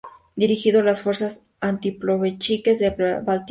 Dirigió las fuerzas antibolcheviques del Báltico.